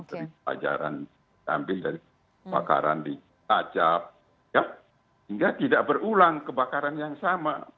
dari pelajaran diambil dari kebakaran di tacap sehingga tidak berulang kebakaran yang sama